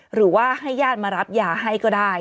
หรือว่าให้ญาติมารับยาให้ก็ได้